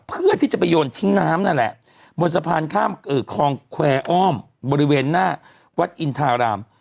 เพื่อที่จะไปโยนทิ้งน้ำนั่นแหละบนสะพานข้ามคลองแควร์อ้อมบริเวณหน้าวัดอินทาราม